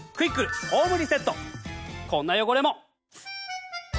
こんな汚れも。